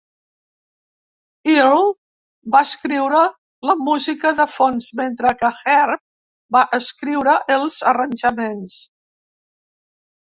Earle va escriure la música de fons, mentre que Herb va escriure els arranjaments.